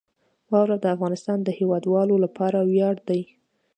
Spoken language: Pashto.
واوره د افغانستان د هیوادوالو لپاره ویاړ دی.